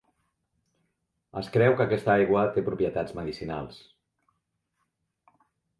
Es creu que aquesta aigua té propietats medicinals.